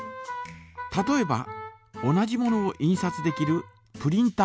例えば同じものを印刷できるプリンター。